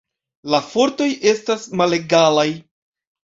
La fortoj estas malegalaj.